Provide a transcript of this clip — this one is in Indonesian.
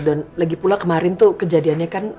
dan lagi pula kemarin tuh kejadiannya kan